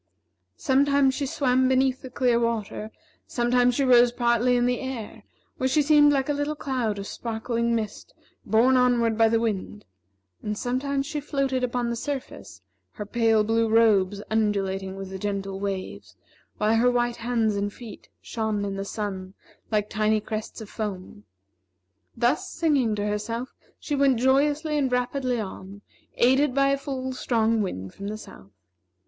Sometimes she swam beneath the clear water; sometimes she rose partly in the air, where she seemed like a little cloud of sparkling mist borne onward by the wind; and sometimes she floated upon the surface, her pale blue robes undulating with the gentle waves, while her white hands and feet shone in the sun like tiny crests of foam. Thus, singing to herself, she went joyously and rapidly on, aided by a full, strong wind from the south.